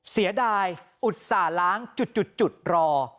เสียดายอุตส่าห์ล้างจุดรอ